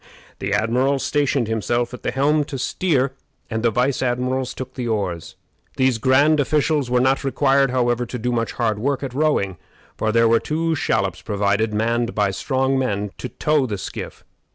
The admiral stationed himself at the helm to steer, and the vice admirals took the oars. These grand officials were not required, however, to do much hard work at rowing, for there were two shallops provided, manned by strong men, to tow the skiff.